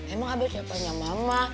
emang abah siapa aja mama